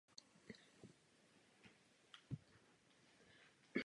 Často se podává v kinech.